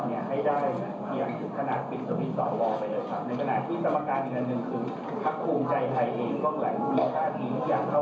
ในขณะที่สมการอีกนั้นหนึ่งคือภักษ์ภูมิใจไทยเองก็แหละ